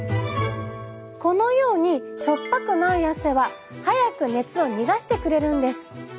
このように塩っぱくない汗は早く熱を逃がしてくれるんです。